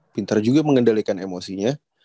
pinter juga mengendalikan emosinya